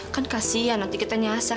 kan kasian nanti kita nyasar